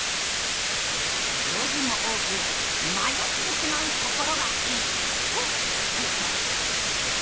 路地も多く「迷ってしまうところがいい！」と会長。